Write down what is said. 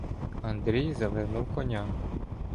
Андрій завернув коня.